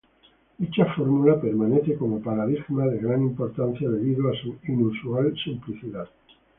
Dicha fórmula permanece como paradigma de gran importancia debido a su inusual simplicidad.